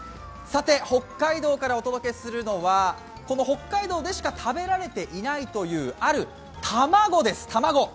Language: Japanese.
さて北海道からお届けするのは北海道でしか食べられていないというある卵です。